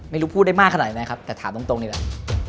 ไม่รู้พูดได้มากขนาดไหนนะครับแต่ถามตรงดีกว่า